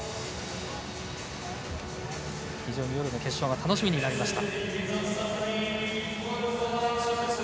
非常に夜の決勝が楽しみになりました。